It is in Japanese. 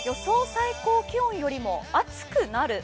最高気温よりも暑くなる。